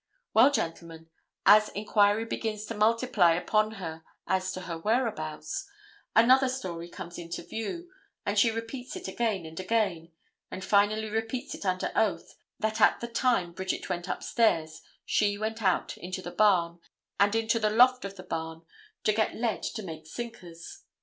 Well, gentlemen, as inquiry begins to multiply upon her as to her whereabouts, another story comes into view, and she repeats it again and again, and finally repeats it under oath, that at the time Bridget went upstairs she went out into the barn, and into the loft of the barn to get lead to make sinkers.